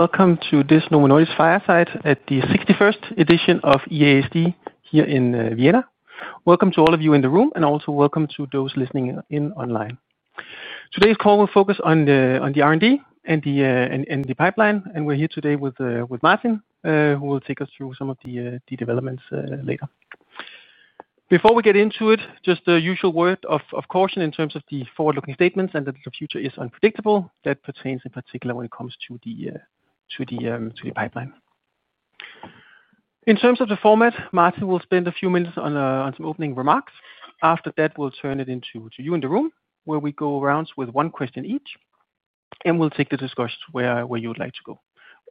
Welcome to this Novo Nordisk Fireside at the 61st edition of EASD here in Vienna. Welcome to all of you in the room and also welcome to those listening in online. Today's call will focus on the R&D and the pipeline, and we're here today with Martin, who will take us through some of the developments later. Before we get into it, just the usual word of caution in terms of the forward-looking statements and that the future is unpredictable. That pertains in particular when it comes to the pipeline. In terms of the format, Martin will spend a few minutes on some opening remarks. After that, we'll turn it to you in the room, where we go around with one question each, and we'll take the discussion where you'd like to go.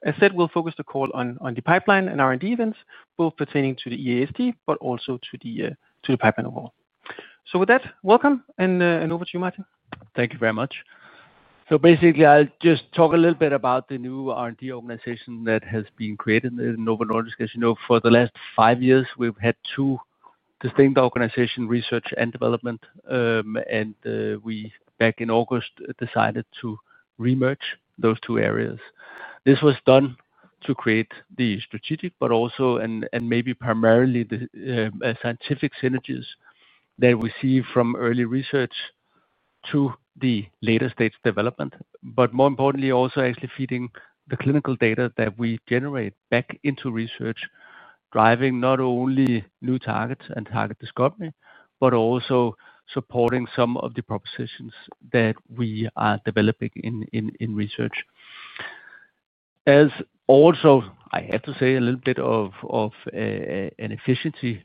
As said, we'll focus the call on the pipeline and R&D events, both pertaining to the EASD but also to the pipeline overall. With that, welcome, and over to you, Martin. Thank you very much. Basically, I'll just talk a little bit about the new R&D organization that has been created in Novo Nordisk. As you know, for the last five years, we've had two distinct organizations: research and development. Back in August, we decided to re-merge those two areas. This was done to create the strategic, but also, and maybe primarily, the scientific synergies that we see from early research to the later stage development. More importantly, also actually feeding the clinical data that we generate back into research, driving not only new targets and target discovery, but also supporting some of the propositions that we are developing in research. I have to say, a little bit of an efficiency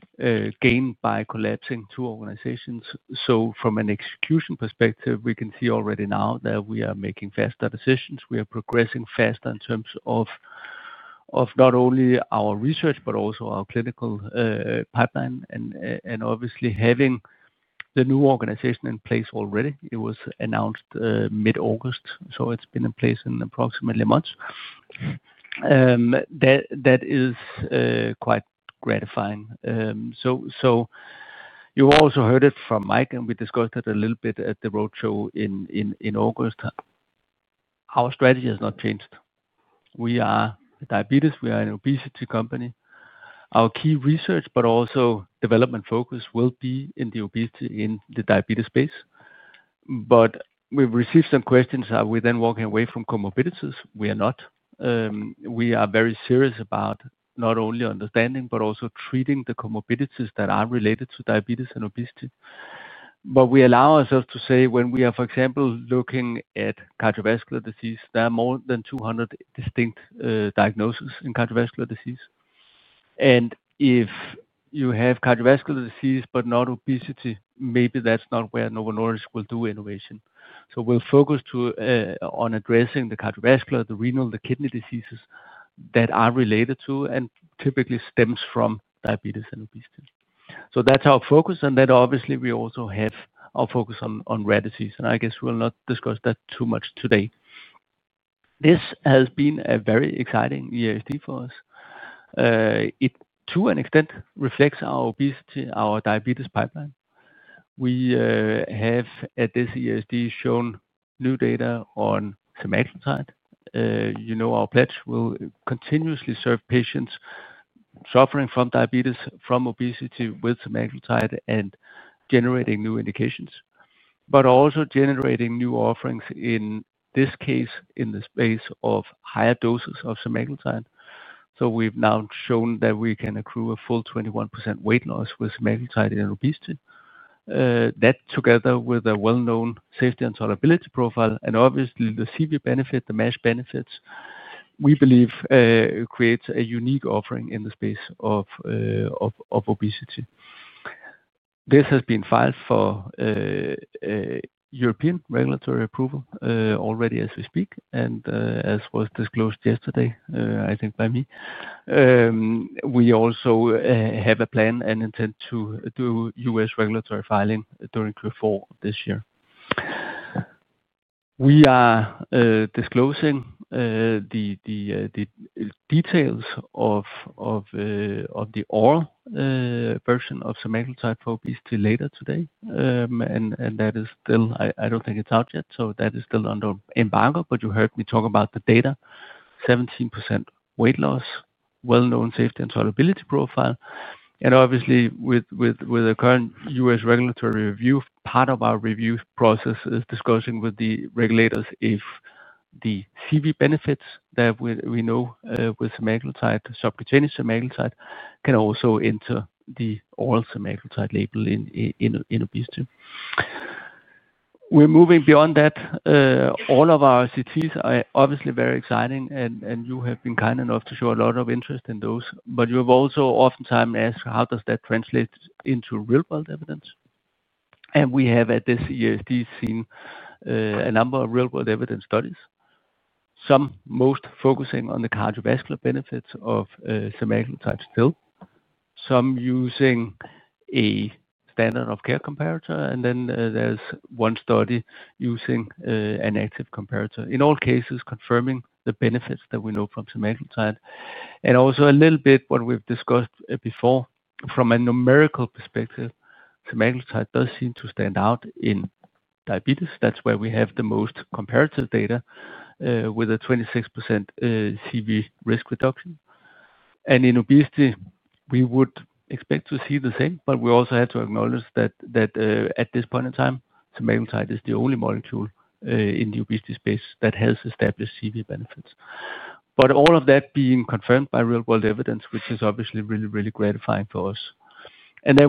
gain by collapsing two organizations. From an execution perspective, we can see already now that we are making faster decisions. We are progressing faster in terms of not only our research, but also our clinical pipeline. Obviously, having the new organization in place already, it was announced mid-August. It's been in place in approximately a month. That is quite gratifying. You also heard it from Mike, and we discussed it a little bit at the roadshow in August. Our strategy has not changed. We are a diabetes, we are an obesity company. Our key research, but also development focus, will be in the obesity in the diabetes space. We've received some questions, "Are we then walking away from comorbidities?" We are not. We are very serious about not only understanding, but also treating the comorbidities that are related to diabetes and obesity. We allow ourselves to say when we are, for example, looking at cardiovascular disease, there are more than 200 distinct diagnoses in cardiovascular disease. If you have cardiovascular disease, but not obesity, maybe that's not where Novo Nordisk will do innovation. We'll focus on addressing the cardiovascular, the renal, the kidney diseases that are related to and typically stem from diabetes and obesity. That's our focus. Obviously, we also have our focus on rare disease. I guess we'll not discuss that too much today. This has been a very exciting EASD for us. It, to an extent, reflects our obesity, our diabetes pipeline. We have, at this EASD, shown new data on semaglutide. Our pledge will continuously serve patients suffering from diabetes, from obesity with semaglutide and generating new indications, but also generating new offerings, in this case, in the space of higher doses of semaglutide. We've now shown that we can accrue a full 21% weight loss with semaglutide in obesity. That, together with a well-known safety and tolerability profile, and obviously the CV benefit, the MASH benefits, we believe creates a unique offering in the space of obesity. This has been filed for European regulatory approval already as we speak. As was disclosed yesterday, I think by me, we also have a plan and intent to do U.S. regulatory filing during Q4 this year. We are disclosing the details of the oral version of semaglutide for obesity later today. That is still, I don't think it's out yet. That is still under embargo, but you heard me talk about the data. 17% weight loss, well-known safety and tolerability profile. Obviously, with the current U.S. regulatory review, part of our review process is discussing with the regulators if the CV benefits that we know with semaglutide, subcutaneous semaglutide, can also enter the oral semaglutide label in obesity. We're moving beyond that. All of our CTs are obviously very exciting, and you have been kind enough to show a lot of interest in those. You have also oftentimes asked, "How does that translate into real-world evidence?" We have, at this EASD, seen a number of real-world evidence studies, some most focusing on the cardiovascular benefits of semaglutide still, some using a standard of care comparator, and then there's one study using an active comparator. In all cases, confirming the benefits that we know from semaglutide. Also a little bit what we've discussed before. From a numerical perspective, semaglutide does seem to stand out in diabetes. That's where we have the most comparative data with a 26% CV risk reduction. In obesity, we would expect to see the same, but we also have to acknowledge that at this point in time, semaglutide is the only molecule in the obesity space that has established CV benefits. All of that being confirmed by real-world evidence, which is obviously really, really gratifying for us.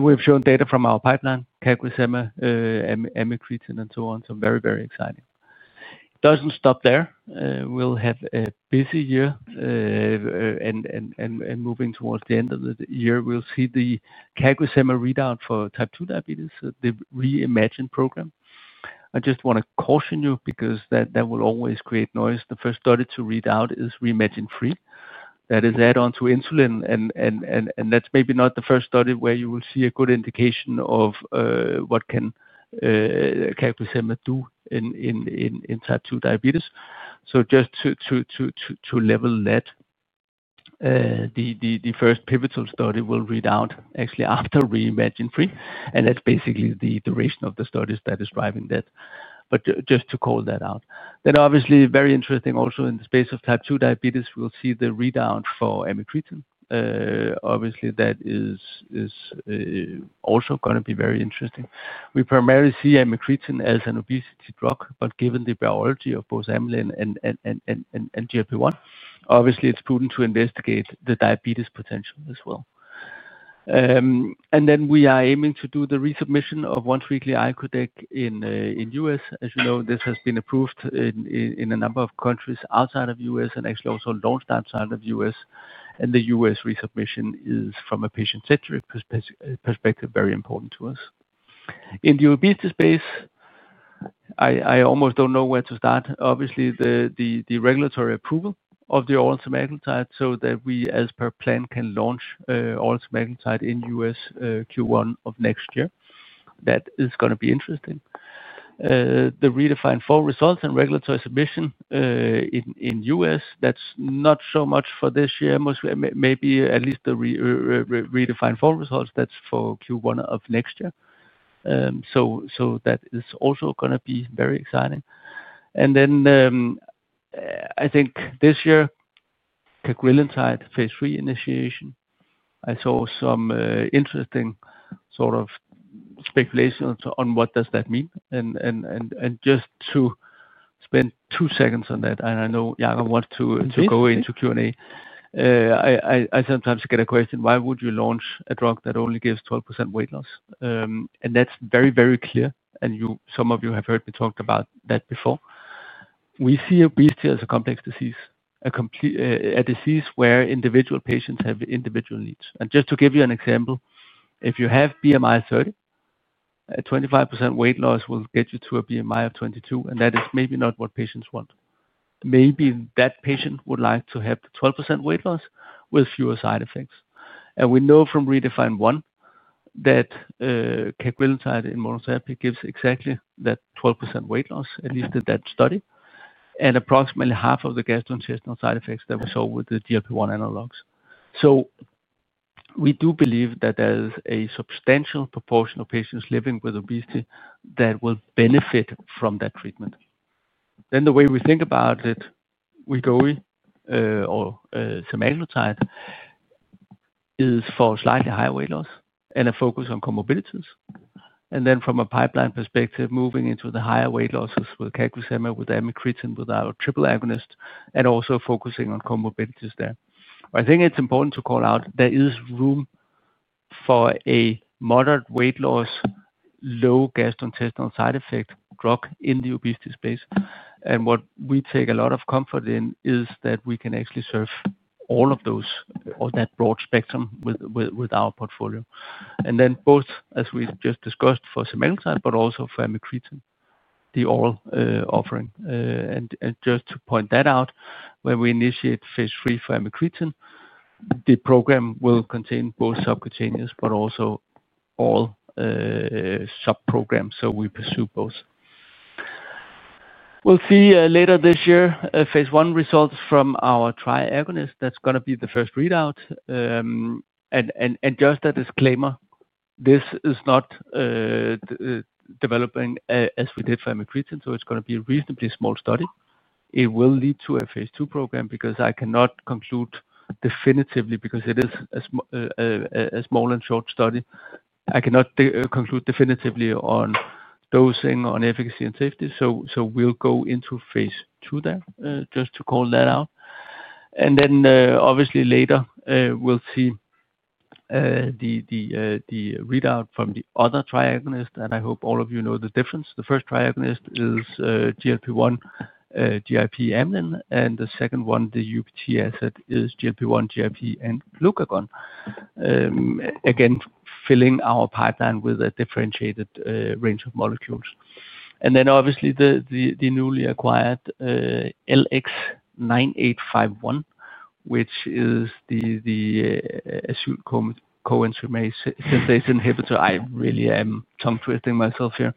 We've shown data from our pipeline, CagriSema, Amiglutide, and so on. Very, very exciting. It doesn't stop there. We'll have a busy year. Moving towards the end of the year, we'll see the CagriSema readout for type 2 diabetes, the Reimagine program. I just want to caution you because that will always create noise. The first study to read out is Reimagine Free. That is add-on to insulin, and that's maybe not the first study where you will see a good indication of what CagriSema can do in type 2 diabetes. Just to level that, the first pivotal study will read out actually after Reimagine Free, and that's basically the duration of the studies that is driving that. Just to call that out. Obviously, very interesting also in the space of type 2 diabetes, we'll see the readout for Amiglutide. Obviously, that is also going to be very interesting. We primarily see Amiglutide as an obesity drug, but given the biology of both amylin and GLP-1, it's prudent to investigate the diabetes potential as well. We are aiming to do the resubmission of once weekly icodec in the U.S. As you know, this has been approved in a number of countries outside of the U.S. and actually also launched outside of the U.S. The U.S. resubmission is, from a patient-centric perspective, very important to us. In the obesity space, I almost don't know where to start. Obviously, the regulatory approval of the oral semaglutide so that we, as per plan, can launch oral semaglutide in the U.S. Q1 of next year. That is going to be interesting. The Redefine full results and regulatory submission in the U.S., that's not so much for this year. Maybe at least the Redefine full results, that's for Q1 of next year. That is also going to be very exciting. I think this year, cagrilentide phase III initiation, I saw some interesting sort of speculations on what does that mean. Just to spend two seconds on that, I know Jana wants to go into Q&A. I sometimes get a question, "Why would you launch a drug that only gives 12% weight loss?" That's very, very clear, and some of you have heard me talk about that before. We see obesity as a complex disease, a disease where individual patients have individual needs. Just to give you an example, if you have BMI of 30, a 25% weight loss will get you to a BMI of 22, and that is maybe not what patients want. Maybe that patient would like to have the 12% weight loss with fewer side effects. We know from redefined one that cagrilentide in monotherapy gives exactly that 12% weight loss, at least at that study, and approximately half of the gastrointestinal side effects that we saw with the GLP-1 analogs. We do believe that there is a substantial proportion of patients living with obesity that will benefit from that treatment. The way we think about it, Wegovy or semaglutide is for slightly higher weight loss and a focus on comorbidities. From a pipeline perspective, moving into the higher weight losses with CagriSema, with amiglutide, with our triple agonist, and also focusing on comorbidities there. I think it's important to call out there is room for a moderate weight loss, low gastrointestinal side effect drug in the obesity space. What we take a lot of comfort in is that we can actually serve all of those, or that broad spectrum with our portfolio. Both, as we just discussed, for semaglutide, but also for amiglutide, the oral offering. Just to point that out, when we initiate phase 3 for amiglutide, the program will contain both subcutaneous, but also oral subprograms. We pursue both. We'll see later this year phase I results from our triagonist. That's going to be the first readout. Just a disclaimer, this is not developing as we did for amiglutide, so it's going to be a reasonably small study. It will lead to a phase II program because I cannot conclude definitively because it is a small and short study. I cannot conclude definitively on dosing, on efficacy, and safety. We'll go into phase II there, just to call that out. Obviously later, we'll see the readout from the other triagonist, and I hope all of you know the difference. The first triagonist is GLP-1, GIP, amylin, and the second one, the UPT asset, is GLP-1, GIP, and glucagon. Again, filling our pipeline with a differentiated range of molecules. Obviously the newly acquired LX-9851, which is the acute coenzyme synthase inhibitor. I really am tongue twisting myself here,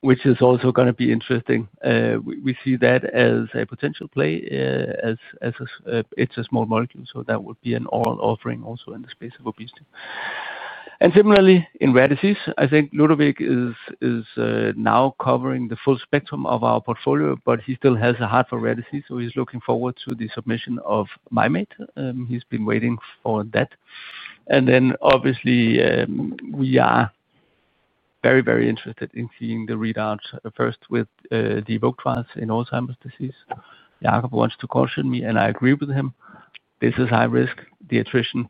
which is also going to be interesting. We see that as a potential play. It's a small molecule, so that would be an oral offering also in the space of obesity. Similarly, in rare disease, I think Ludovic is now covering the full spectrum of our portfolio, but he still has a heart for rare disease, so he's looking forward to the submission of Mymate. He's been waiting on that. Obviously, we are very, very interested in seeing the readout first with the Evoke trials in Alzheimer’s disease. Jacob wants to caution me, and I agree with him. This is high risk. The attrition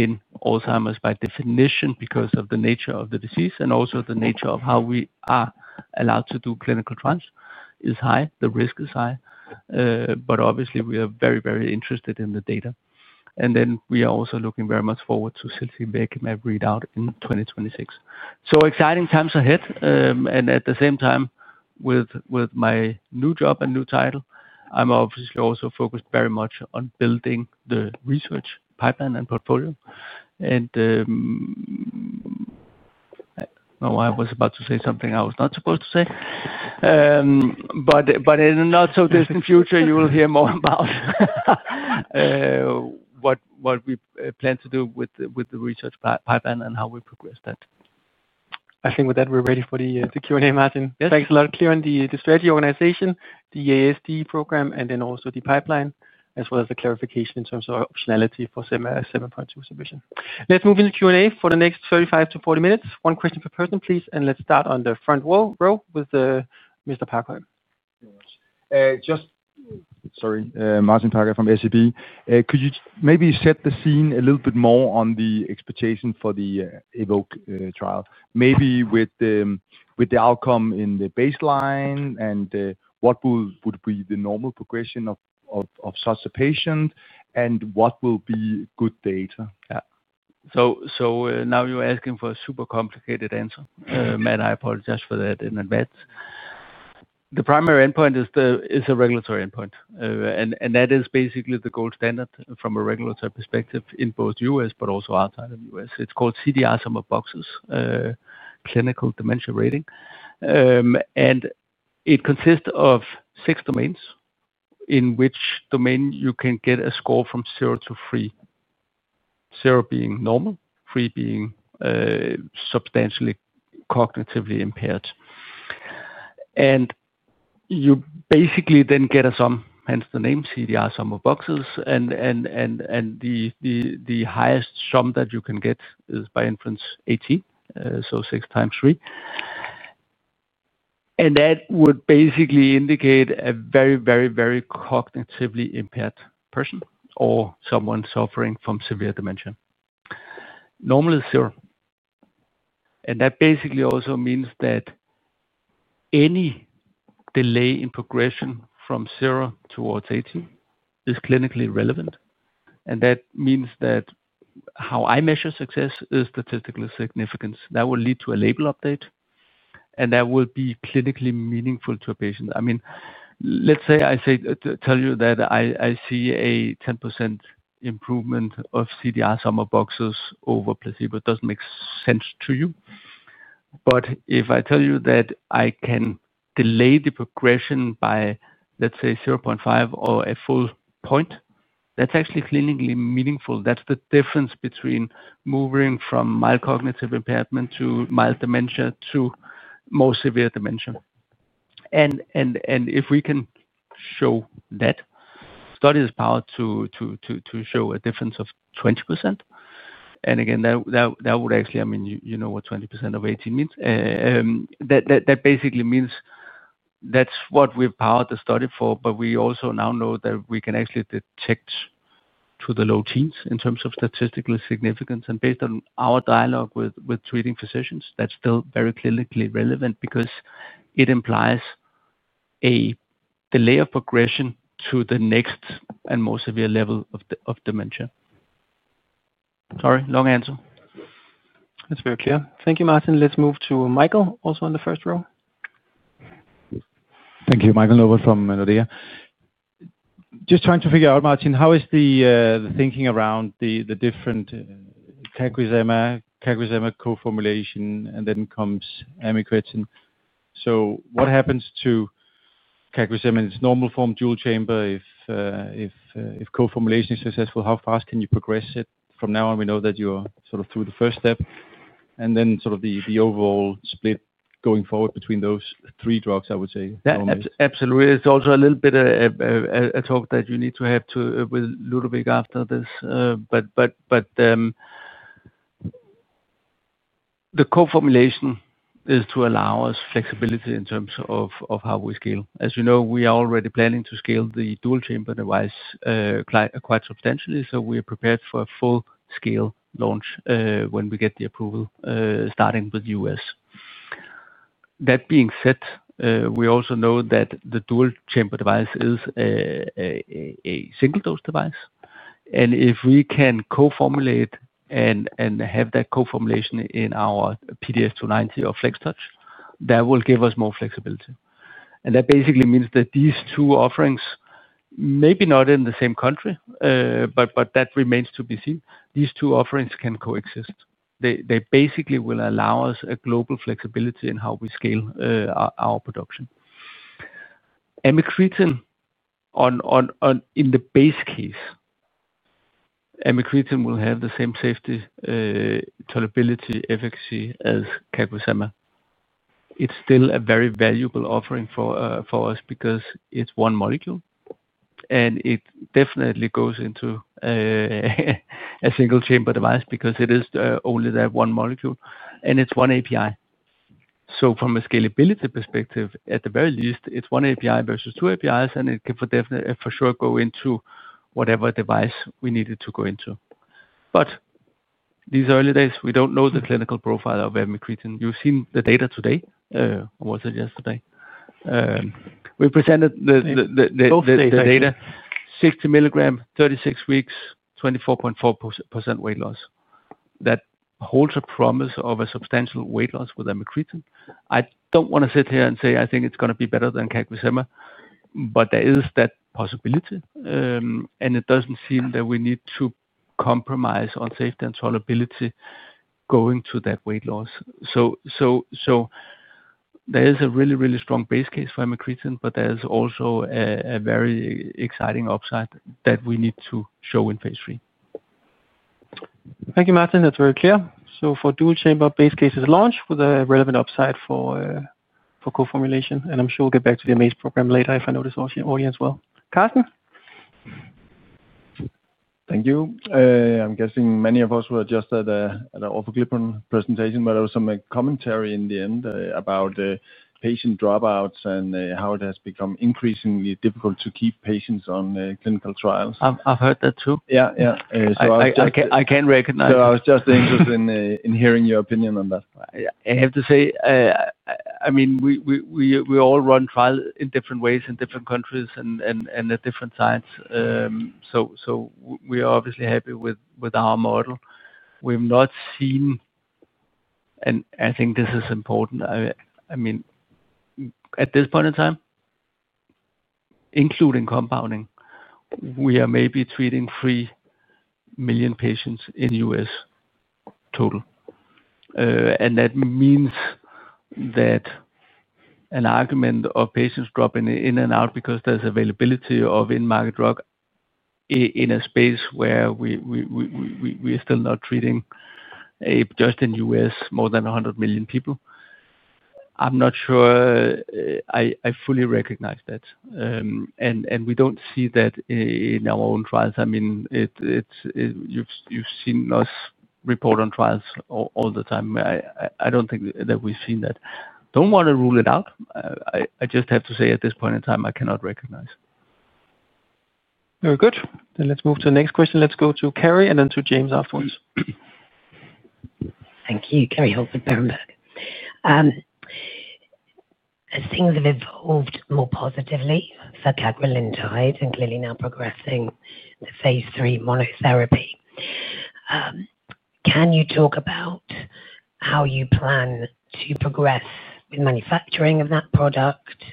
in Alzheimer’s by definition, because of the nature of the disease and also the nature of how we are allowed to do clinical trials, is high. The risk is high. Obviously, we are very, very interested in the data. We are also looking very much forward to Cynthia Beckman readout in 2026. Exciting times ahead. At the same time, with my new job and new title, I’m obviously also focused very much on building the research pipeline and portfolio. I don’t know why I was about to say something I was not supposed to say. In the not-so-distant future, you will hear more about what we plan to do with the research pipeline and how we progress that. I think with that, we're ready for the Q&A, Martin. Yes. Thanks a lot. Here in the strategy organization, the EASD program, and then also the pipeline, as well as the clarification in terms of optionality for 7.2 submission. Let's move into Q&A for the next 35-40 minutes. One question per person, please. Let's start on the front row with Mr. Parkoi. Sorry, Martin Parkoi from SEB. Could you maybe set the scene a little bit more on the expectation for the Evoke trial? Maybe with the outcome in the baseline and what would be the normal progression of such a patient and what will be good data? Yeah. Now you're asking for a super complicated answer, and I apologize for that in advance. The primary endpoint is a regulatory endpoint. That is basically the gold standard from a regulatory perspective in both the U.S., but also outside of the U.S. It's called CDR sum of boxes, clinical dementia rating. It consists of six domains in which each domain you can get a score from zero to three, zero being normal, three being substantially cognitively impaired. You basically then get a sum, hence the name CDR sum of boxes. The highest sum that you can get is by inference 18, so six times three. That would basically indicate a very, very, very cognitively impaired person or someone suffering from severe dementia. Normally zero. That basically also means that any delay in progression from zero towards 18 is clinically relevant. That means that how I measure success is statistically significant. That will lead to a label update. That will be clinically meaningful to a patient. I mean, let's say I tell you that I see a 10% improvement of CDR sum of boxes over placebo. It doesn't make sense to you. If I tell you that I can delay the progression by, let's say, 0.5 or a full point, that's actually clinically meaningful. That's the difference between moving from mild cognitive impairment to mild dementia to more severe dementia. If we can show that study is powered to show a difference of 20%. Again, you know what 20% of 18 means. That basically means that's what we've powered the study for, but we also now know that we can actually detect to the low teens in terms of statistical significance. Based on our dialogue with treating physicians, that's still very clinically relevant because it implies a delay of progression to the next and more severe level of dementia. Sorry, long answer. That's very clear. Thank you, Martin. Let's move to Michael, also on the first row. Thank you, Michael Novod from Nordea. Just trying to figure out, Martin, how is the thinking around the different CagriSema, CagriSema co-formulation, and then comes Amiglutide? What happens to CagriSema in its normal form, dual chamber? If co-formulation is successful, how fast can you progress it? From now on, we know that you're sort of through the first step. The overall split going forward between those three drugs, I would say. Absolutely. It's also a little bit of a talk that you need to have with Ludovic after this. The co-formulation is to allow us flexibility in terms of how we scale. As you know, we are already planning to scale the dual chamber device quite substantially. We are prepared for a full-scale launch when we get the approval, starting with the U.S. That being said, we also know that the dual chamber device is a single-dose device. If we can co-formulate and have that co-formulation in our PDF-290 or FlexTouch, that will give us more flexibility. That basically means that these two offerings, maybe not in the same country, but that remains to be seen, these two offerings can co-exist. They basically will allow us a global flexibility in how we scale our production. Amiglutide in the base case, Amiglutide will have the same safety, tolerability, efficacy as CagriSema. It's still a very valuable offering for us because it's one molecule. It definitely goes into a single chamber device because it is only that one molecule. It's one API. From a scalability perspective, at the very least, it's one API versus two APIs, and it can for sure go into whatever device we need it to go into. These early days, we don't know the clinical profile of Amiglutide. You've seen the data today. I wasn't yesterday. We presented the data. Both the data. 60 mg, 36 weeks, 24.4% weight loss. That holds a promise of a substantial weight loss with Amiglutide. I don't want to sit here and say I think it's going to be better than CagriSema, but there is that possibility. It doesn't seem that we need to compromise on safety and tolerability going to that weight loss. There is a really, really strong base case for Amiglutide, but there is also a very exciting upside that we need to show in phase III. Thank you, Martin. That's very clear. For dual chamber, base case is launched with a relevant upside for co-formulation. I'm sure we'll get back to the amaze program later if I know this audience well. Karsten. Thank you. I'm guessing many of us were just at an overgriping presentation, but also a commentary in the end about patient dropouts and how it has become increasingly difficult to keep patients on clinical trials. I've heard that too. Yeah, yeah. I can recognize that. I was just interested in hearing your opinion on that. I have to say, we all run trials in different ways in different countries and at different sites. We are obviously happy with our model. We've not seen, and I think this is important, at this point in time, including compounding, we are maybe treating 3 million patients in the U.S. total. That means that an argument of patients dropping in and out because there's availability of in-market drug in a space where we are still not treating just in the U.S. more than 100 million people, I'm not sure I fully recognize that. We don't see that in our own trials. You've seen us report on trials all the time. I don't think that we've seen that. I don't want to rule it out. I just have to say at this point in time, I cannot recognize it. Very good. Let's move to the next question. Let's go to Carrie and then to James afterwards. Thank you. Carrie Hoffman-Burbank. I've seen that they've evolved more positively for cagrilentide and clearly now progressing the phase III monotherapy. Can you talk about how you plan to progress in manufacturing of that product?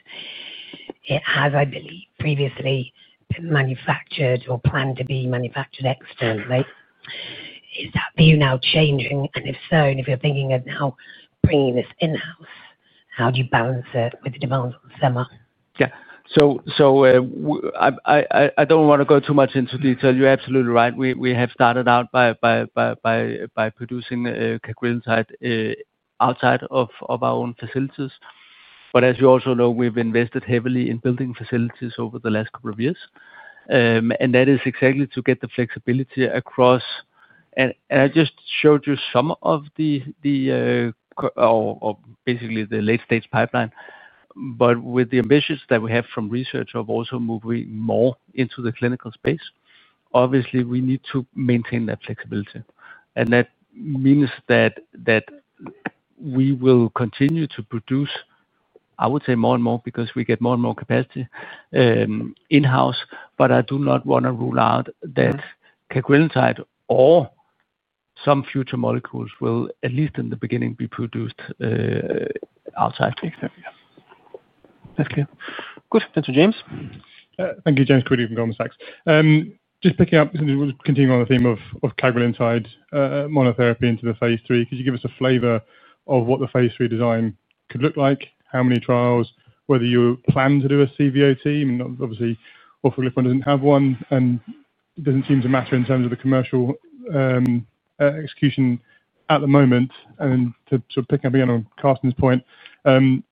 It has, I believe, previously been manufactured or planned to be manufactured externally. Is that now changing? If so, if you're thinking of now bringing this in-house, how do you balance it with the demand of cagrilentide? Yeah. I don't want to go too much into detail. You're absolutely right. We have started out by producing cagrilentide outside of our own facilities. As you also know, we've invested heavily in building facilities over the last couple of years. That is exactly to get the flexibility across. I just showed you some of the, or basically the late-stage pipeline. With the ambitions that we have from research of also moving more into the clinical space, obviously, we need to maintain that flexibility. That means that we will continue to produce, I would say, more and more because we get more and more capacity in-house. I do not want to rule out that cagrilentide or some future molecules will, at least in the beginning, be produced outside. Exactly. That's clear. Good. Thanks, James. Thank you, James. Cody from Goldman Sachs. Just picking up, we'll just continue on the theme of cagrilentide monotherapy into the phase III. Could you give us a flavor of what the phase III design could look like? How many trials? Whether you plan to do a CVOT? I mean, obviously, offering a grip on doesn't have one. It doesn't seem to matter in terms of the commercial execution at the moment. To sort of pick up again on Karsten's point,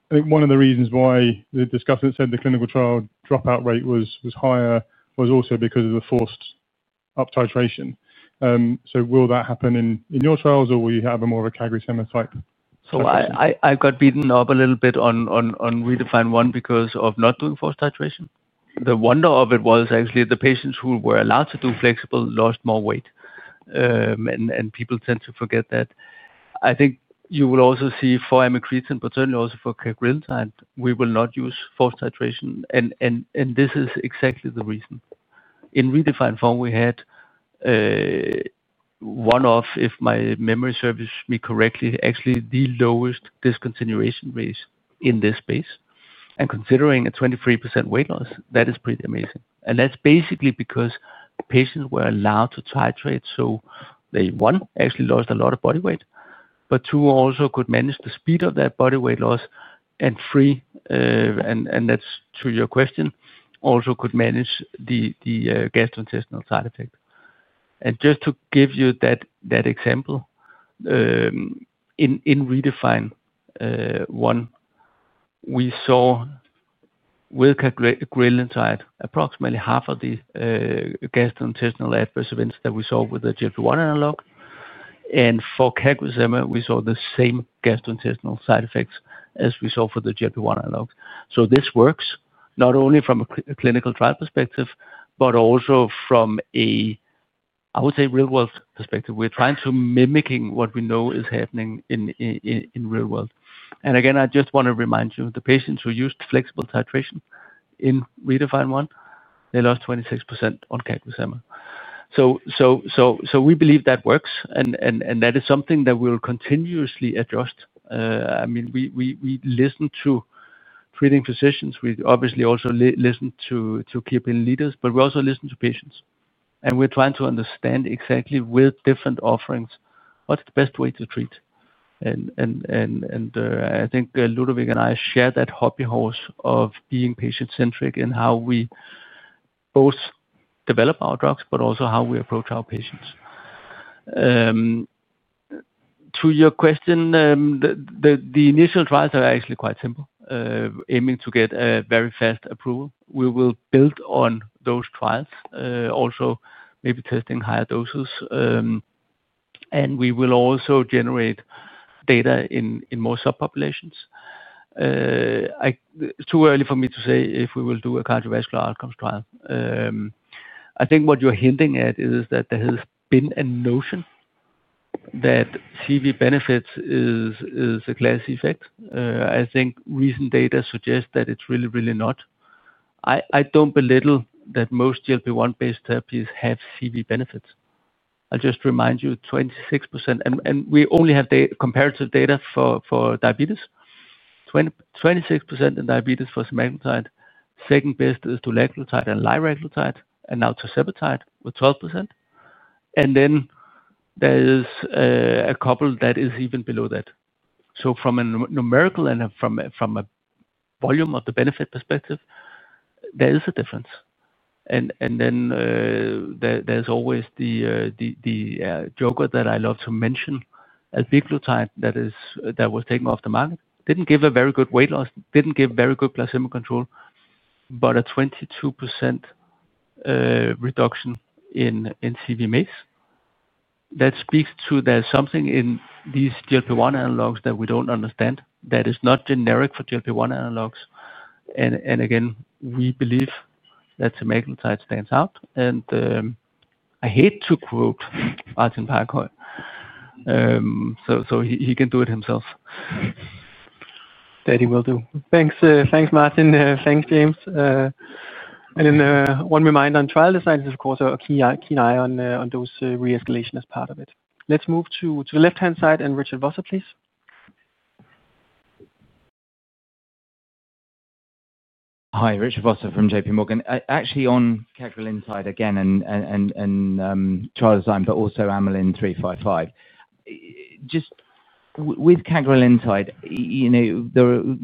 I think one of the reasons why the discussion that said the clinical trial dropout rate was higher was also because of the forced up-titration. Will that happen in your trials, or will you have more of a CagriSema type? I got beaten up a little bit on redefined one because of not doing forced titration. The wonder of it was actually the patients who were allowed to do flexible lost more weight. People tend to forget that. I think you will also see for amiglutide, but certainly also for cagrilentide, we will not use forced titration. This is exactly the reason. In redefined form, we had one of, if my memory serves me correctly, actually the lowest discontinuation rates in this space. Considering a 23% weight loss, that is pretty amazing. That's basically because patients were allowed to titrate. They, one, actually lost a lot of body weight, but two, also could manage the speed of that body weight loss. Three, and that's to your question, also could manage the gastrointestinal side effect. Just to give you that example, in redefined one, we saw with cagrilentide approximately half of the gastrointestinal adverse events that we saw with the GLP-1 analog. For CagriSema, we saw the same gastrointestinal side effects as we saw for the GLP-1 analogs. This works not only from a clinical trial perspective, but also from a, I would say, real-world perspective. We're trying to mimic what we know is happening in the real world. I just want to remind you, the patients who used flexible titration in redefined one, they lost 26% on CagriSema. We believe that works. That is something that we'll continuously adjust. I mean, we listen to treating physicians. We obviously also listen to key opinion leaders, but we also listen to patients. We're trying to understand exactly with different offerings, what's the best way to treat. I think Ludovic and I share that hobby horse of being patient-centric in how we both develop our drugs, but also how we approach our patients. To your question, the initial trials are actually quite simple, aiming to get a very fast approval. We will build on those trials, also maybe testing higher doses. We will also generate data in more subpopulations. It's too early for me to say if we will do a cardiovascular outcomes trial. I think what you're hinting at is that there has been a notion that CV benefits is a class effect. I think recent data suggests that it's really, really not. I don't belittle that most GLP-1-based therapies have CV benefits. I'll just remind you, 26%, and we only have comparative data for diabetes. 26% in diabetes for semaglutide. Second best is dulaglutide and liraglutide, and now tirzepatide with 12%. There is a couple that is even below that. From a numerical and from a volume of the benefit perspective, there is a difference. There is always the joke that I love to mention, albiglutide that was taken off the market. Didn't give a very good weight loss, didn't give very good placebo control, but a 22% reduction in CV mix. That speaks to there's something in these GLP-1 analogs that we don't understand that is not generic for GLP-1 analogs. We believe that semaglutide stands out. I hate to quote Martin Parker, so he can do it himself. That he will do. Thanks, thanks Martin. Thanks, James. One reminder on trial design is, of course, a keen eye on dose re-escalation as part of it. Let's move to the left-hand side and Richard Vosser, please. Hi, Richard Vosser from JPMorgan. Actually, on cagrilentide again, and Charles Simon, but also Amylin 355. Just with cagrilentide,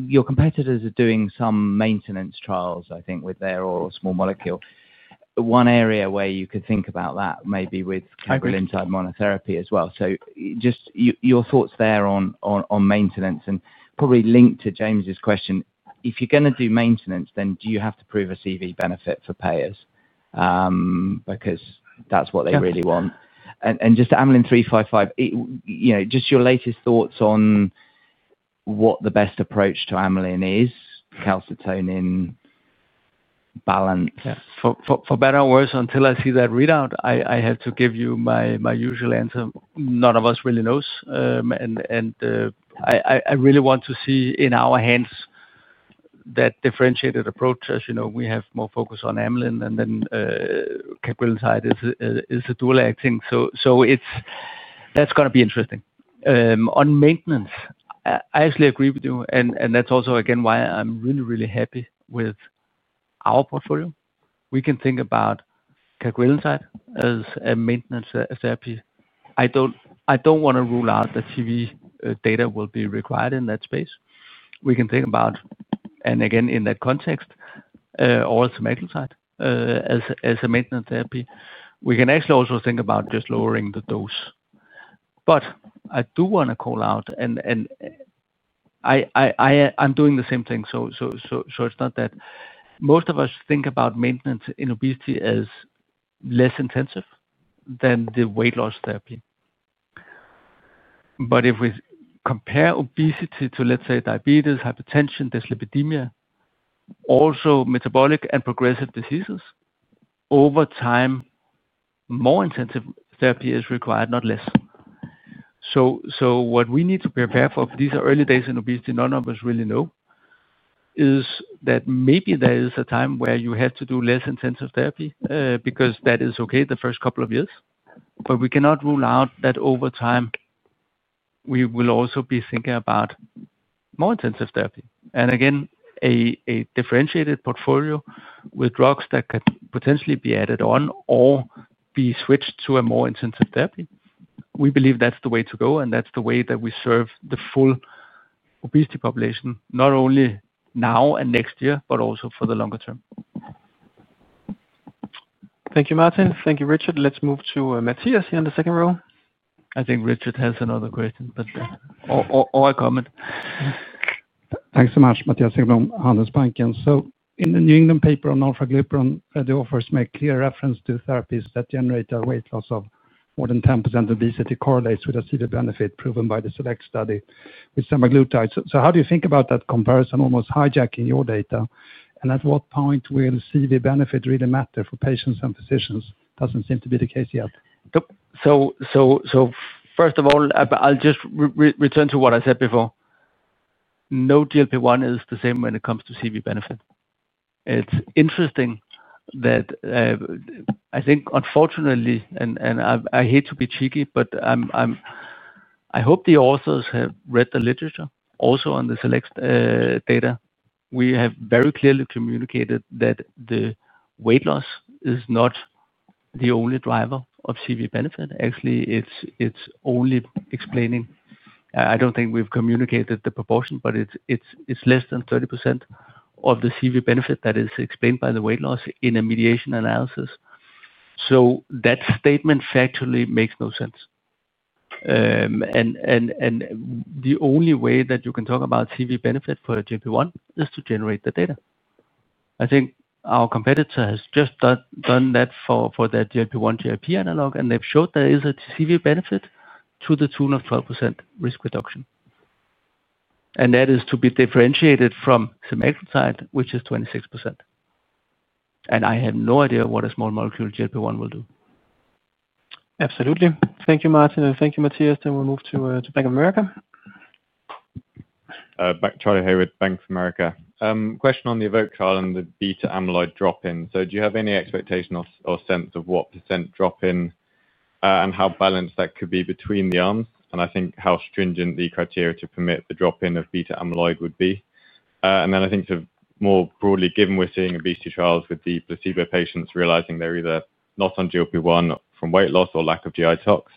your competitors are doing some maintenance trials, I think, with their oral small molecule. One area where you could think about that may be with cagrilentide monotherapy as well. Just your thoughts there on maintenance and probably link to James's question. If you're going to do maintenance, do you have to prove a CV benefit for payers? Because that's what they really want. Just Amylin 355, just your latest thoughts on what the best approach to Amylin is, calcitonin balance. Yeah. For better or worse, until I see that readout, I have to give you my usual answer. None of us really knows. I really want to see in our hands that differentiated approach. As you know, we have more focus on Amylin, and then cagrilentide is a dual acting. That's going to be interesting. On maintenance, I actually agree with you. That's also, again, why I'm really, really happy with our portfolio. We can think about cagrilentide as a maintenance therapy. I don't want to rule out that CV data will be required in that space. We can think about, and again, in that context, oral semaglutide as a maintenance therapy. We can actually also think about just lowering the dose. I do want to call out, and I'm doing the same thing. Most of us think about maintenance in obesity as less intensive than the weight loss therapy. If we compare obesity to, let's say, diabetes, hypertension, dyslipidemia, also metabolic and progressive diseases, over time, more intensive therapy is required, not less. What we need to prepare for, for these are early days in obesity, none of us really know, is that maybe there is a time where you have to do less intensive therapy because that is okay the first couple of years. We cannot rule out that over time, we will also be thinking about more intensive therapy. A differentiated portfolio with drugs that could potentially be added on or be switched to a more intensive therapy, we believe that's the way to go, and that's the way that we serve the full obesity population, not only now and next year, but also for the longer term. Thank you, Martin. Thank you, Richard. Let's move to Mattias here on the second row. I think Richard has another question or a comment. Thanks so much, Mattias. I'm from Handelsbanken. In the New England paper on amycretin, the authors make clear reference to therapies that generate a weight loss of more than 10% obesity correlates with a CV benefit proven by the SELECT study with semaglutide. How do you think about that comparison, almost hijacking your data? At what point will CV benefit really matter for patients and physicians? It doesn't seem to be the case yet. First of all, I'll just return to what I said before. No GLP-1 is the same when it comes to CV benefit. It's interesting that I think, unfortunately, and I hate to be cheeky, but I hope the authors have read the literature also on the SELECT data. We have very clearly communicated that the weight loss is not the only driver of CV benefit. Actually, it's only explaining, I don't think we've communicated the proportion, but it's less than 30% of the CV benefit that is explained by the weight loss in a mediation analysis. That statement factually makes no sense. The only way that you can talk about CV benefit for a GLP-1 is to generate the data. I think our competitor has just done that for their GLP-1 GIP analog, and they've showed there is a CV benefit to the tune of 12% risk reduction. That is to be differentiated from semaglutide, which is 26%. I have no idea what a small molecule GLP-1 will do. Absolutely. Thank you, Martin. Thank you, Mattias. We will move to Bank of America. Question on the Evoke trial and the beta amyloid drop-in. Do you have any expectation or sense of what % drop-in and how balanced that could be between the arms? I think how stringent the criteria to permit the drop-in of beta amyloid would be. I think more broadly, given we're seeing obesity trials with the placebo patients realizing they're either not on GLP-1 from weight loss or lack of GI tox,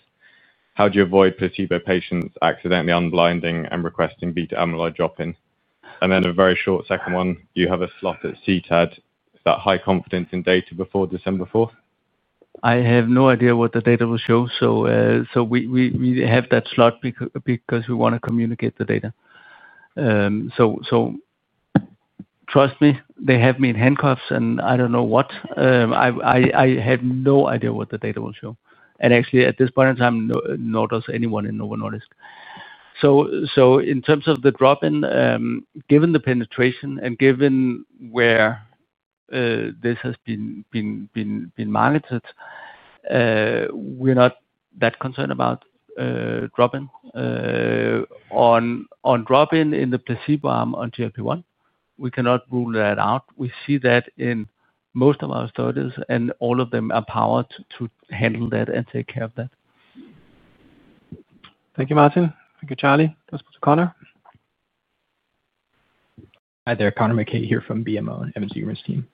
how do you avoid placebo patients accidentally unblinding and requesting beta amyloid drop-in? A very short second one, you have a slot at CTAD, that high confidence in data before December 4th. I have no idea what the data will show. We have that slot because we want to communicate the data. Trust me, they have me in handcuffs, and I don't know what. I have no idea what the data will show. At this point in time, nor does anyone in Novo Nordisk. In terms of the drop-in, given the penetration and given where this has been marketed, we're not that concerned about drop-in. On drop-in in the placebo arm on GLP-1, we cannot rule that out. We see that in most of our studies, and all of them are powered to handle that and take care of that. Thank you, Martin. Thank you, Charlie. Goes to Conor. Hi there. Conor MacKay here from BMO and MMGR's team.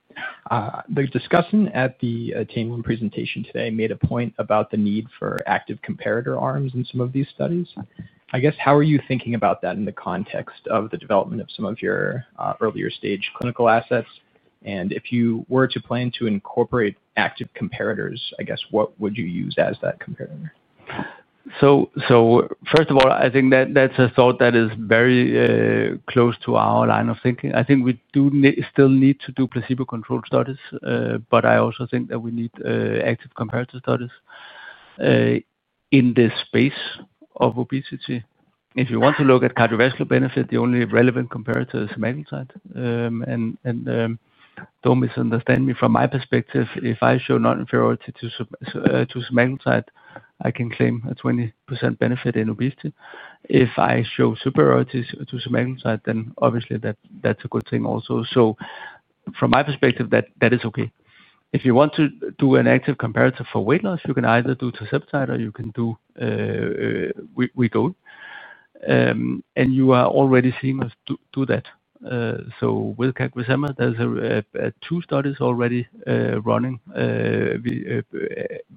The discussion at the Chamberlain presentation today made a point about the need for active comparator arms in some of these studies. How are you thinking about that in the context of the development of some of your earlier stage clinical assets? If you were to plan to incorporate active comparators, what would you use as that comparator? First of all, I think that that's a thought that is very close to our line of thinking. I think we do still need to do placebo-controlled studies, but I also think that we need active comparator studies in this space of obesity. If you want to look at cardiovascular benefit, the only relevant comparator is semaglutide. Don't misunderstand me. From my perspective, if I show non-inferiority to semaglutide, I can claim a 20% benefit in obesity. If I show superiority to semaglutide, then obviously that's a good thing also. From my perspective, that is okay. If you want to do an active comparator for weight loss, you can either do tirzepatide or you can do Wegovy. You are already seeing us do that. With CagriSema, there are two studies already running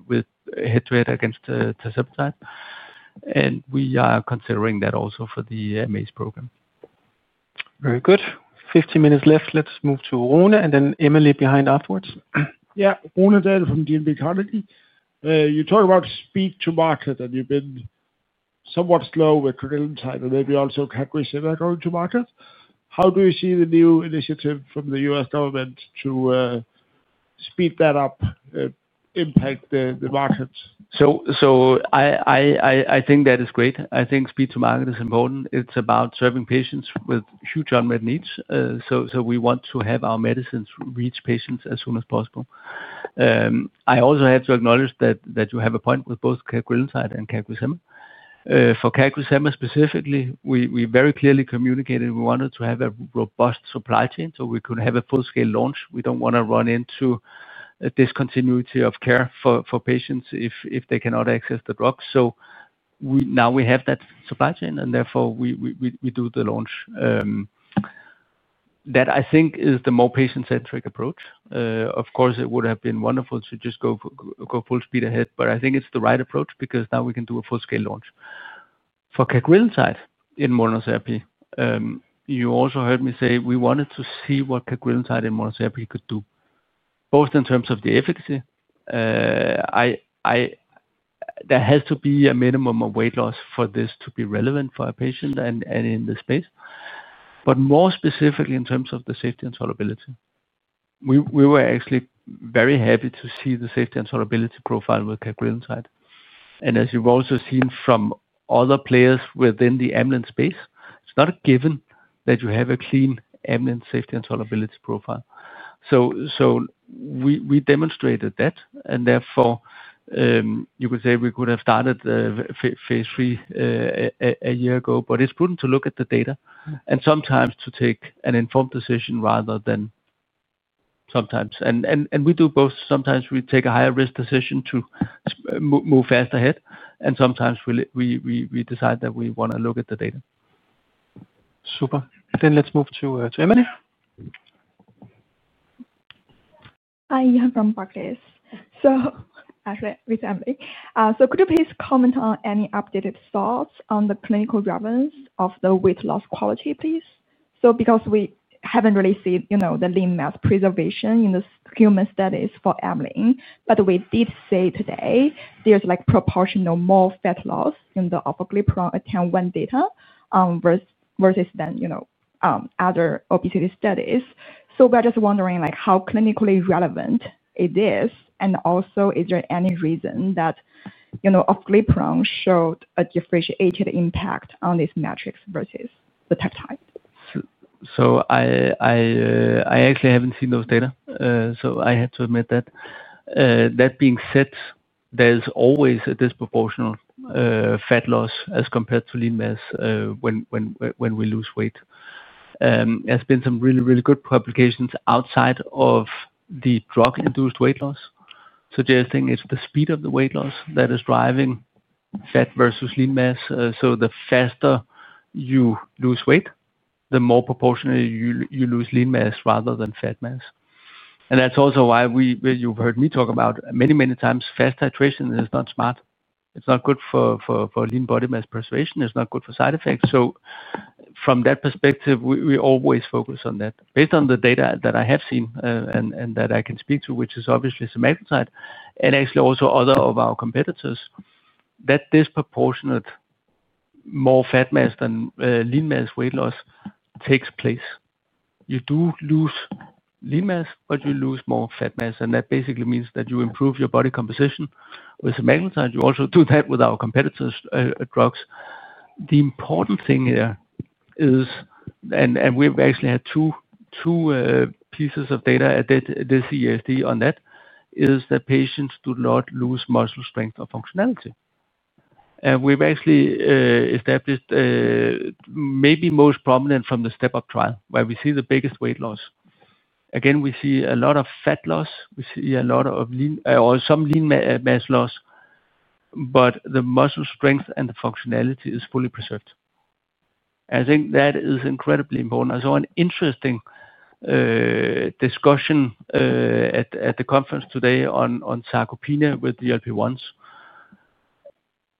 with head-to-head against tirzepatide, and we are considering that also for the MAIS program. Very good. Fifteen minutes left. Let's move to Rune and then Emily behind afterwards. Yeah. Rune Dahl from DNB Carnegie. You talk about speed to market, and you've been somewhat slow with cagrilentide, and maybe also CagriSema going to market. How do you see the new initiative from the U.S. government to speed that up, impact the market? I think that is great. I think speed to market is important. It's about serving patients with huge unmet needs. We want to have our medicines reach patients as soon as possible. I also have to acknowledge that you have a point with both cagrilentide and CagriSema. For CagriSema specifically, we very clearly communicated we wanted to have a robust supply chain so we could have a full-scale launch. We don't want to run into a discontinuity of care for patients if they cannot access the drug. Now we have that supply chain, and therefore we do the launch. That, I think, is the more patient-centric approach. Of course, it would have been wonderful to just go full speed ahead, but I think it's the right approach because now we can do a full-scale launch. For cagrilentide in monotherapy, you also heard me say we wanted to see what cagrilentide in monotherapy could do, both in terms of the efficacy. There has to be a minimum of weight loss for this to be relevant for a patient and in this space. More specifically, in terms of the safety and tolerability, we were actually very happy to see the safety and tolerability profile with cagrilentide. As you've also seen from other players within the amylin space, it's not a given that you have a clean amylin safety and tolerability profile. We demonstrated that. Therefore, you could say we could have started the phase III a year ago, but it's prudent to look at the data and sometimes to take an informed decision rather than sometimes. We do both. Sometimes we take a higher-risk decision to move fast ahead, and sometimes we decide that we want to look at the data. Super. Let's move to Emily. Hi. I'm from Barclays. With Emily, could you please comment on any updated thoughts on the clinical relevance of the weight loss quality, please? We haven't really seen the lean mass preservation in the human studies for amylin, but we did see today there's proportional more fat loss in the upper glycerin attempt when data versus, you know, other obesity studies. We're just wondering how clinically relevant it is, and also is there any reason that, you know, upper glycerin showed a differentiated impact on this matrix versus the peptide? I actually haven't seen those data. I have to admit that. That being said, there's always a disproportional fat loss as compared to lean mass when we lose weight. There have been some really, really good publications outside of the drug-induced weight loss suggesting it's the speed of the weight loss that is driving fat versus lean mass. The faster you lose weight, the more proportionally you lose lean mass rather than fat mass. That's also why you've heard me talk about many, many times fast titration is not smart. It's not good for lean body mass preservation. It's not good for side effects. From that perspective, we always focus on that. Based on the data that I have seen and that I can speak to, which is obviously semaglutide and actually also other of our competitors, that disproportionate more fat mass than lean mass weight loss takes place. You do lose lean mass, but you lose more fat mass. That basically means that you improve your body composition with semaglutide. You also do that with our competitors' drugs. The important thing here is, and we've actually had two pieces of data at this EASD on that, is that patients do not lose muscle strength or functionality. We've actually established maybe most prominent from the step-up trial where we see the biggest weight loss. Again, we see a lot of fat loss. We see a lot of lean or some lean mass loss, but the muscle strength and the functionality is fully preserved. I think that is incredibly important. I saw an interesting discussion at the conference today on sarcopenia with GLP-1s.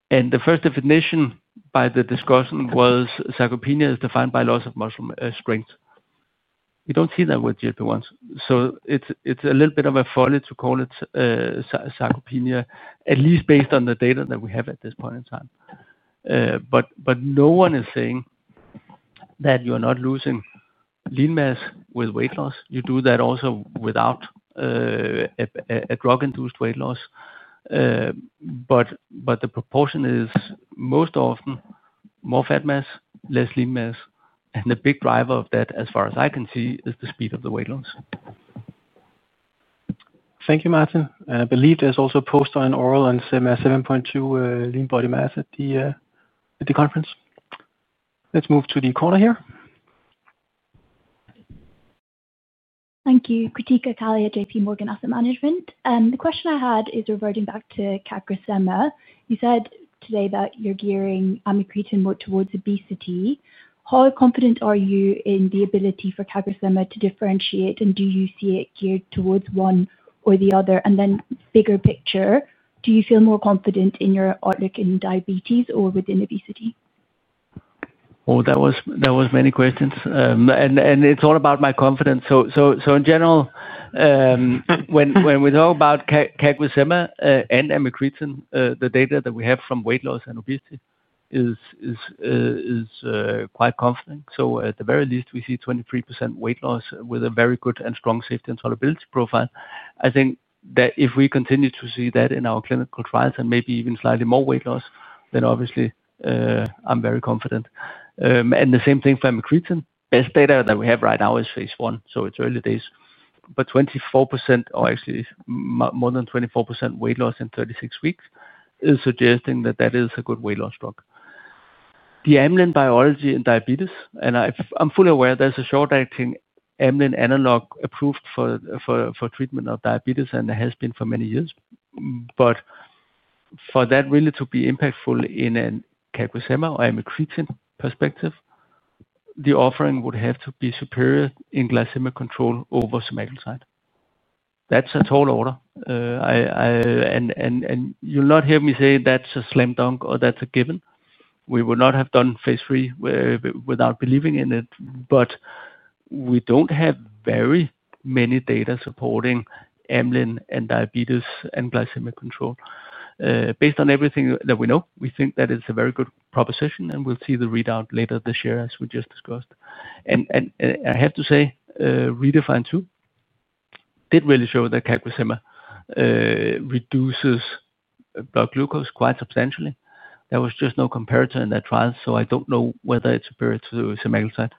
The first definition by the discussion was sarcopenia is defined by loss of muscle strength. We don't see that with GLP-1s. It's a little bit of a folly to call it sarcopenia, at least based on the data that we have at this point in time. No one is saying that you are not losing lean mass with weight loss. You do that also without a drug-induced weight loss. The proportion is most often more fat mass, less lean mass. The big driver of that, as far as I can see, is the speed of the weight loss. Thank you, Martin. I believe there's also a poster on oral and 7.2 lean body mass at the conference. Let's move to the corner here. Thank you. Kritika Kalia, JPMorgan Asset Management. The question I had is reverting back to CagriSema. You said today that you're gearing Amiglutide more towards obesity. How confident are you in the ability for CagriSema to differentiate, and do you see it geared towards one or the other? Bigger picture, do you feel more confident in your outlook in diabetes or within obesity? Oh, that was many questions. It's all about my confidence. In general, when we talk about CagriSema and amiglutide, the data that we have from weight loss and obesity is quite confident. At the very least, we see 23% weight loss with a very good and strong safety and tolerability profile. I think that if we continue to see that in our clinical trials and maybe even slightly more weight loss, obviously I'm very confident. The same thing for amiglutide. Best data that we have right now is phase I. It's early days. 24% or actually more than 24% weight loss in 36 weeks is suggesting that that is a good weight loss drug. The amylin biology in diabetes, and I'm fully aware there's a short-acting amylin analog approved for treatment of diabetes, and it has been for many years. For that really to be impactful in a CagriSema or amiglutide perspective, the offering would have to be superior in glycemic control over semaglutide. That's a tall order. You'll not hear me say that's a slam dunk or that's a given. We would not have done phase III without believing in it. We don't have very many data supporting amylin and diabetes and glycemic control. Based on everything that we know, we think that it's a very good proposition, and we'll see the readout later this year as we just discussed. I have to say, REDEFINE 2 did really show that CagriSema reduces blood glucose quite substantially. There was just no comparator in that trial. I don't know whether it's superior to semaglutide.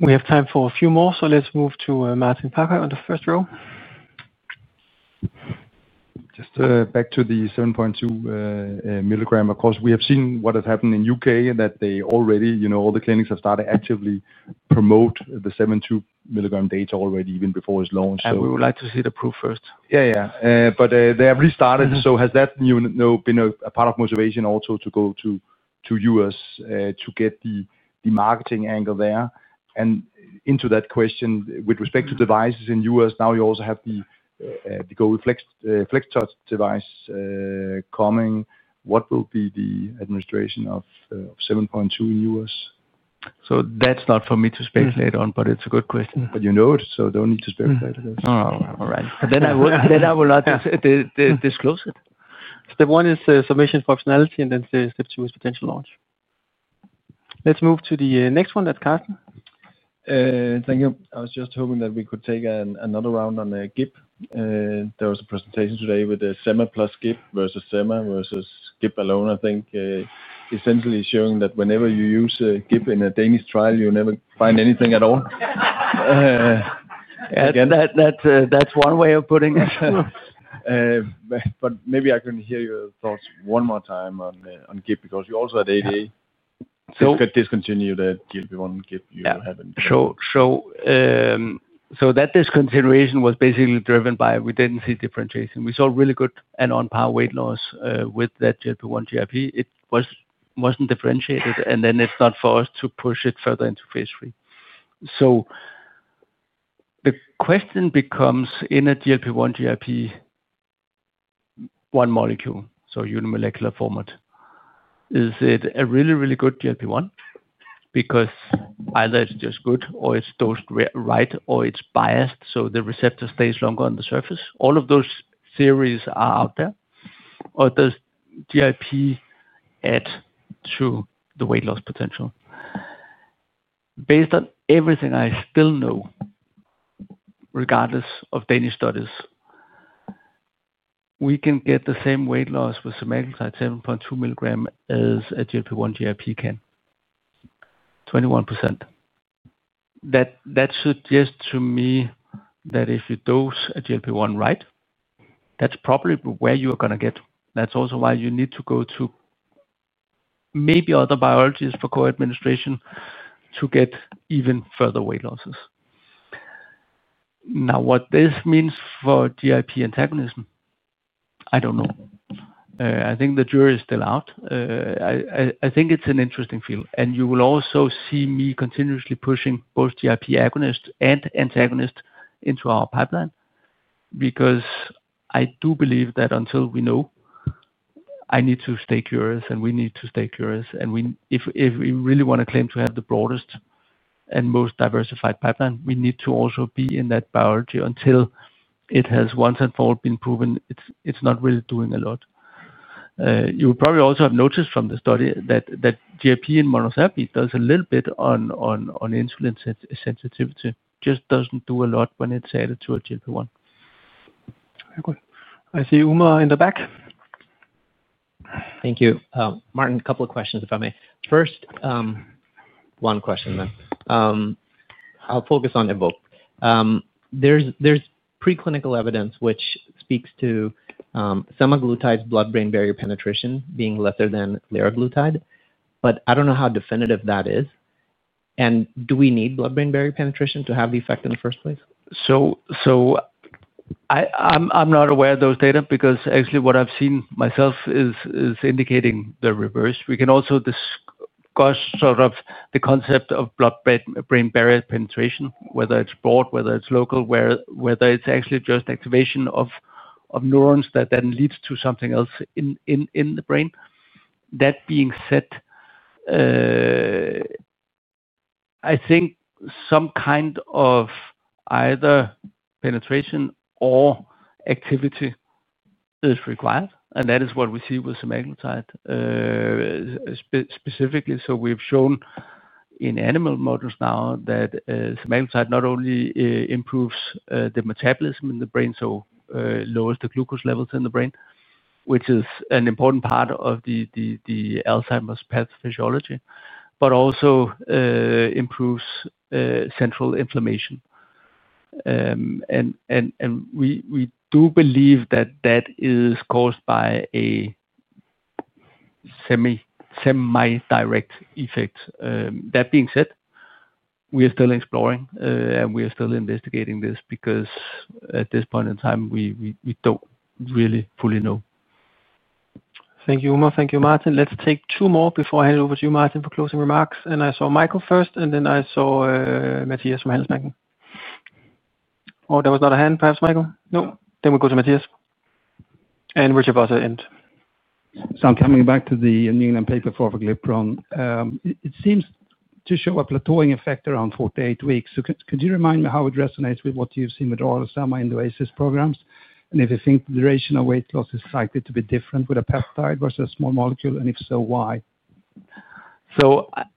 We have time for a few more. Let's move to Martin Parkoi on the first row. Just back to the 7.2 mg. Of course, we have seen what has happened in the UK that they already, you know, all the clinics have started actively promoting the 7.2 mg data already even before it's launched. We would like to see the proof first. Yeah. They have restarted. Has that been a part of motivation also to go to the U.S. to get the marketing angle there? With respect to devices in the U.S., now you also have the Govee FlexTouch device coming. What will be the administration of 7.2 mg in the U.S.? That's not for me to speculate on, but it's a good question. You know it, so don't need to speculate. All right, I will not disclose it. Step one is submission functionality, and then step two is potential launch. Let's move to the next one, that's Karsten. Thank you. I was just hoping that we could take another round on GIP. There was a presentation today with the Sema plus GIP versus Sema versus GIP alone, I think, essentially showing that whenever you use GIP in a Danish trial, you never find anything at all. Yeah, that's one way of putting it. Maybe I can hear your thoughts one more time on GIP because you're also at 88. So. You could discontinue the GLP-1 GIP, you haven't. That discontinuation was basically driven by we didn't see differentiation. We saw really good and on par weight loss with that GLP-1 GIP. It wasn't differentiated, and then it's not for us to push it further into phase III. The question becomes, in a GLP-1 GIP, one molecule, so unimolecular format, is it a really, really good GLP-1? Because either it's just good, or it's dosed right, or it's biased, so the receptor stays longer on the surface. All of those theories are out there. Or does GIP add to the weight loss potential? Based on everything I still know, regardless of Danish studies, we can get the same weight loss with semaglutide 7.2 mg as a GLP-1 GIP can, 21%. That suggests to me that if you dose a GLP-1 right, that's probably where you are going to get. That's also why you need to go to maybe other biologies for co-administration to get even further weight losses. What this means for GIP antagonism, I don't know. I think the jury is still out. I think it's an interesting field. You will also see me continuously pushing both GIP agonists and antagonists into our pipeline because I do believe that until we know, I need to stay curious, and we need to stay curious. If we really want to claim to have the broadest and most diversified pipeline, we need to also be in that biology until it has once and for all been proven it's not really doing a lot. You would probably also have noticed from the study that GIP in monotherapy does a little bit on insulin sensitivity, just doesn't do a lot when it's added to a GLP-1. Very good. I see Uma in the back. Thank you. Martin, a couple of questions, if I may. First, one question, then. I'll focus on Evoke. There's preclinical evidence which speaks to semaglutide's blood-brain barrier penetration being lesser than liraglutide, but I don't know how definitive that is. Do we need blood-brain barrier penetration to have the effect in the first place? I'm not aware of those data because actually what I've seen myself is indicating the reverse. We can also discuss the concept of blood-brain barrier penetration, whether it's broad, whether it's local, whether it's actually just activation of neurons that then leads to something else in the brain. That being said, I think some kind of either penetration or activity is required. That is what we see with semaglutide specifically. We've shown in animal models now that semaglutide not only improves the metabolism in the brain, so lowers the glucose levels in the brain, which is an important part of the Alzheimer's pathophysiology, but also improves central inflammation. We do believe that is caused by a semi-direct effect. That being said, we are still exploring, and we are still investigating this because at this point in time, we don't really fully know. Thank you, Uma. Thank you, Martin. Let's take two more before I hand it over to you, Martin, for closing remarks. I saw Michael first, and then I saw Mattias from Handelsbanken. Oh, there was not a hand, perhaps, Michael? No? We will go to Matthias and Richard Vosser at the end. I'm coming back to the New England paper for Epagliptan. It seems to show a plateauing effect around 48 weeks. Could you remind me how it resonates with what you've seen with oral semaglutide in the ACES programs? Do you think the duration of weight loss is likely to be different with a peptide versus a small molecule, and if so, why?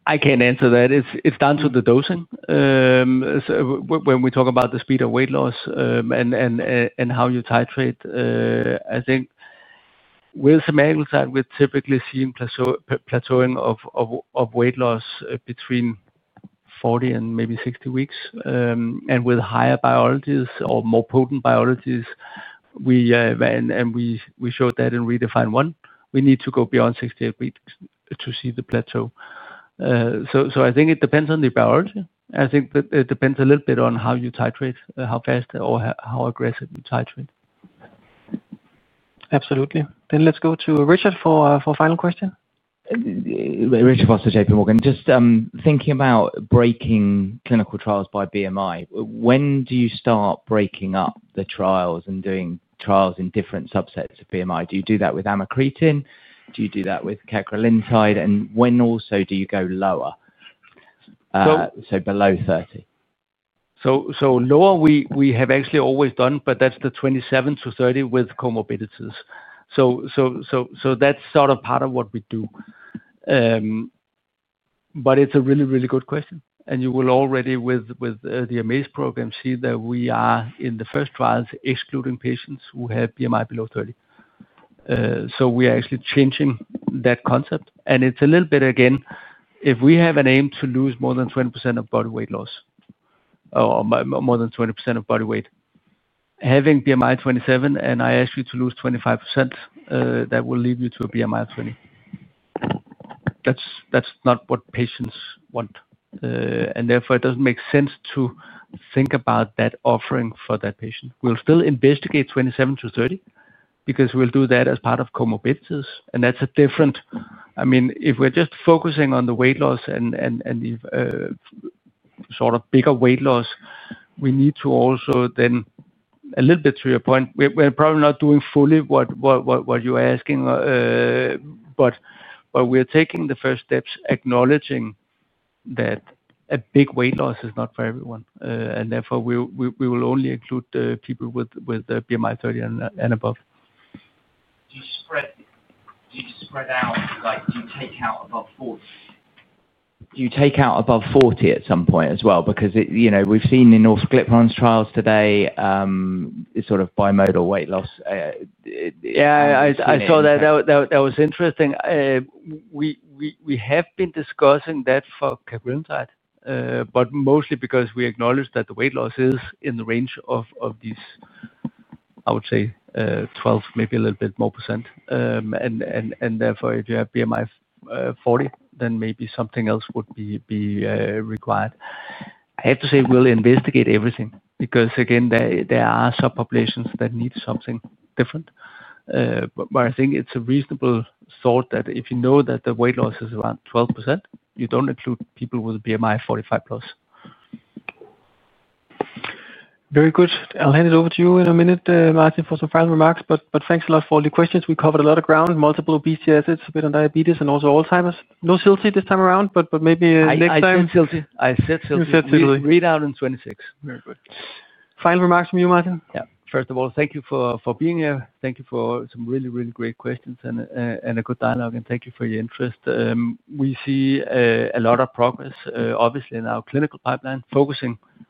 I can't answer that. It's down to the dosing. When we talk about the speed of weight loss and how you titrate, I think with semaglutide, we're typically seeing plateauing of weight loss between 40 and maybe 60 weeks. With higher biologies or more potent biologies, and we showed that in redefined one, we need to go beyond 68 weeks to see the plateau. I think it depends on the biology. I think that it depends a little bit on how you titrate, how fast, or how aggressive you titrate. Absolutely. Let's go to Richard for a final question. Just thinking about breaking clinical trials by BMI, when do you start breaking up the trials and doing trials in different subsets of BMI? Do you do that with Amiglutide? Do you do that with Cagrilentide? When also do you go lower, so below 30? We have actually always done lower, but that's the 27 to 30 with comorbidities. That's sort of part of what we do. It's a really, really good question. You will already, with the MAIS program, see that we are in the first trials excluding patients who have BMI below 30. We are actually changing that concept. It's a little bit, again, if we have an aim to lose more than 20% of body weight loss or more than 20% of body weight, having BMI 27 and I ask you to lose 25%, that will leave you to a BMI of 20. That's not what patients want. Therefore, it doesn't make sense to think about that offering for that patient. We'll still investigate 27 to 30 because we'll do that as part of comorbidities. That's different. I mean, if we're just focusing on the weight loss and the sort of bigger weight loss, we need to also then, a little bit to your point, we're probably not doing fully what you're asking, but we're taking the first steps acknowledging that a big weight loss is not for everyone. Therefore, we will only include the people with BMI 30 and above. Do you spread out? Like, do you take out above 40? Do you take out above 40 at some point as well? Because you know we've seen in all CLIP1's trials today, it's sort of bimodal weight loss. Yeah, I saw that. That was interesting. We have been discussing that for cagrilentide, mostly because we acknowledge that the weight loss is in the range of these, I would say, 12%, maybe a little bit more. Therefore, if you have BMI 40, then maybe something else would be required. I have to say we'll investigate everything because, again, there are subpopulations that need something different. I think it's a reasonable thought that if you know that the weight loss is around 12%, you don't include people with a BMI of 45+. Very good. I'll hand it over to you in a minute, Martin, for some final remarks. Thanks a lot for all the questions. We covered a lot of ground, multiple obesity assets, a bit on diabetes, and also Alzheimer's. No CagriSema this time around, but maybe next time. I said CagriSema. I said CagriSema. Read out in 2026. Very good. Final remarks from you, Martin? Yeah. First of all, thank you for being here. Thank you for some really, really great questions and a good dialogue. Thank you for your interest. We see a lot of progress, obviously, in our clinical pipeline, focusing on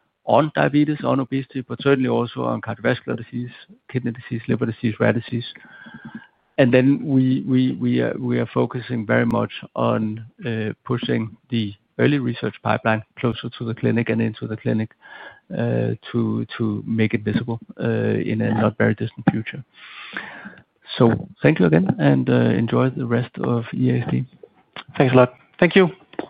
diabetes, on obesity, but certainly also on cardiovascular disease, kidney disease, liver disease, rare disease. We are focusing very much on pushing the early research pipeline closer to the clinic and into the clinic to make it visible in a not very distant future. Thank you again and enjoy the rest of EASD. Thanks a lot. Thank you.